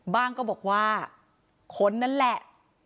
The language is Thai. ก็บอกว่าคนนั่นแหละ